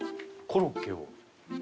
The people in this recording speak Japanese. コロッケを。